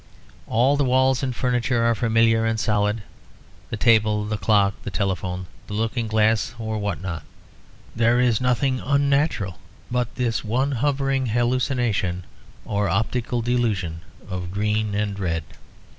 All the walls and furniture are familiar and solid, the table, the clock, the telephone, the looking glass or what not; there is nothing unnatural but this one hovering hallucination or optical delusion of green and red.